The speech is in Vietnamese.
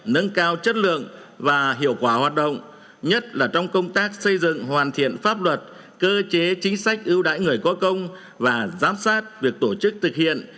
nâng cao chất lượng và hiệu quả hoạt động nhất là trong công tác xây dựng hoàn thiện pháp luật cơ chế chính sách ưu đãi người có công và giám sát việc tổ chức thực hiện